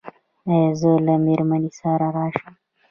ایا زه له میرمنې سره راشم؟